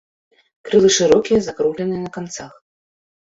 Крылы шырокія, закругленыя на канцах.